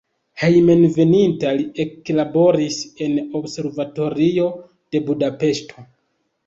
Hejmenveninta li eklaboris en observatorio de Budapeŝto.